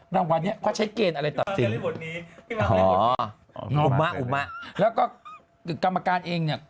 รางวัลเนี้ยเขาใช้เกณฑ์อะไรต่างจริงอ๋อแล้วก็กรรมการเองเนี่ย